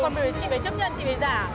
còn bây giờ chị phải chấp nhận chị phải giả